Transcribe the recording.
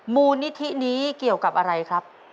มูลนิธินี้เกี่ยวกับอะไรครับ